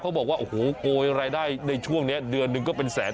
บอกว่าโอ้โหโกยรายได้ในช่วงนี้เดือนหนึ่งก็เป็นแสน